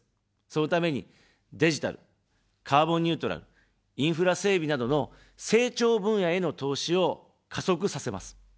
そのために、デジタル、カーボン・ニュートラル、インフラ整備などの成長分野への投資を加速させます。